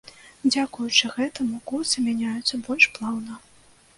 Дзякуючы гэтаму, курсы мяняюцца больш плаўна.